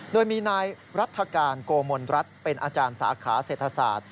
โดยมีนายรัฐกาลโกมลรัฐเป็นอาจารย์สาขาเศรษฐศาสตร์